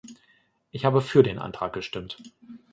Ich habe für den Antrag gestimmt.